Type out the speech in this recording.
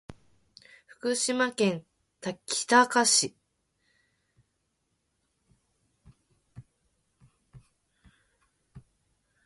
福島県喜多方市